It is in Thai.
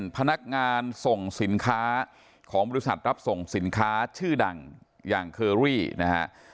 พนักงานส่งสินค้าของบริษัทรับส่งสินค้าชื่อดังอย่างเคอรี่นะฮะ